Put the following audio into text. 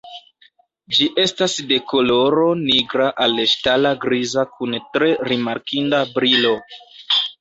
Ĝi estas de koloro nigra al ŝtala griza kun tre rimarkinda brilo.